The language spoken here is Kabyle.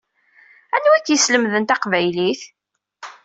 Anwa i k-yeslemden taqbaylit?